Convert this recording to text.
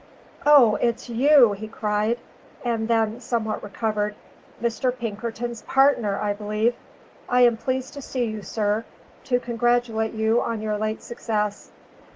"O, it's you!" he cried; and then, somewhat recovered, "Mr. Pinkerton's partner, I believe? I am pleased to see you, sir to congratulate you on your late success."